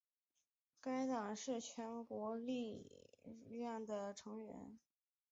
该党是全国共识力量的成员。